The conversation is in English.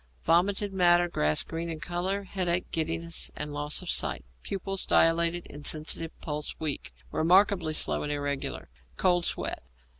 Vomited matter grass green in colour. Headache, giddiness, and loss of sight; pupils dilated, insensitive; pulse weak, remarkably slow and irregular; cold sweat.